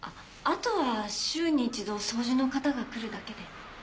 あとは週に一度掃除の方が来るだけで。